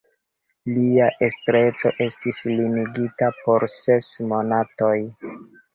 Lia estreco estis limigita por ses monatoj.